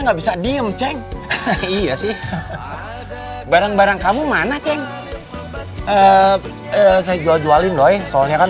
nggak bisa diem ceng iya sih barang barang kamu mana ceng saya jual jualin roy soalnya kan